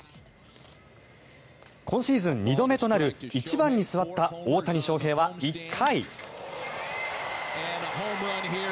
今シーズン２度目となる１番に座った大谷翔平は１回。